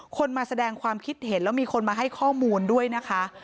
คนมาแสดงความคิดเห็นแล้วมีคนมาให้ข้อมูลด้วยนะคะ